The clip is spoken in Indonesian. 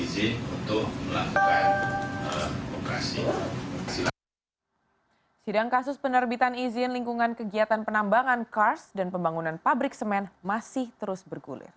sidang kasus penerbitan izin lingkungan kegiatan penambangan kars dan pembangunan pabrik semen masih terus bergulir